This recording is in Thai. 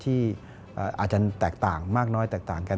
ที่อาจจะแตกต่างมากน้อยแตกต่างกัน